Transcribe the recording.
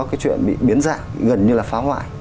cái chuyện bị biến dạng gần như là phá hoại